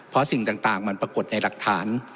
เพราะสิ่งต่างมันปรากฏในหลักฐาน